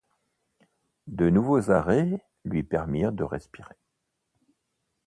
De nouveaux arrêts lui permirent de respirer.